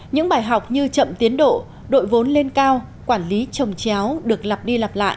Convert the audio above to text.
những bài học như chậm tiến độ đội vốn lên cao quản lý trồng chéo được lặp đi lặp lại